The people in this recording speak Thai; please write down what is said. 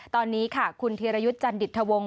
ตอนนี้ค่ะคุณธีรยุทธ์จันดิตทวงศ